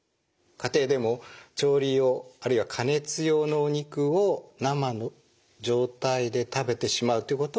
家庭でも調理用あるいは加熱用のお肉を生の状態で食べてしまうということはいけないんですね。